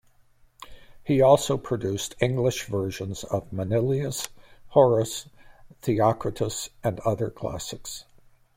He also produced English versions of Manilius, Horace, Theocritus, and other classics.